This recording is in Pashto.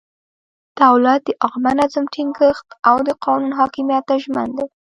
دولت د عامه نظم ټینګښت او د قانون حاکمیت ته ژمن دی.